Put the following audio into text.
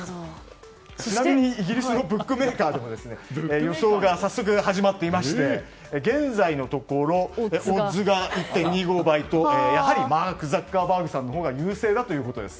ちなみにイギリスのブックメーカーでも予想が早速始まっていまして現在のところオッズが１．２５倍とマーク・ザッカーバーグさんのほうが優勢だということです。